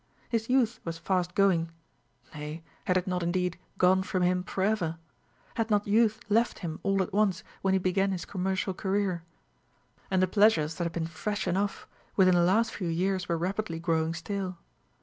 His youth was fast going nay, had it not indeed gone from him for ever? had not youth left him all at once when he began his commercial career? and the pleasures that had been fresh enough within the last few years were rapidly growing stale.